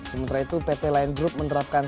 sementara itu pt lion group menerapkan